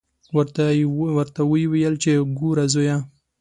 ورته ویې ویل چې ګوره زویه.